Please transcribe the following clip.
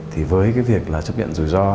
thì với cái việc là chấp nhận rủi ro